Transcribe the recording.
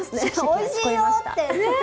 おいしいよって。